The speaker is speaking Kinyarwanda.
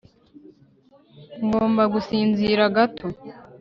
ngomba gusinzira gato